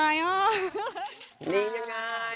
ดียังไง